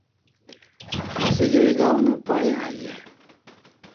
Asi jaiga una pai ai e?